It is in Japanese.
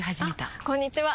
あこんにちは！